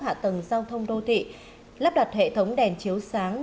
hạ tầng giao thông đô thị lắp đặt hệ thống đèn chiếu sáng